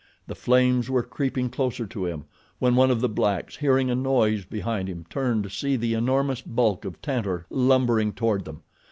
The flames were creeping closer to him when one of the blacks, hearing a noise behind him turned to see the enormous bulk of Tantor lumbering toward them.